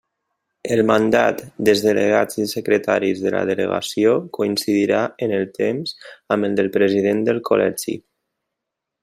El mandat dels delegats i secretaris de la delegació coincidirà en el temps amb el del president del Col·legi.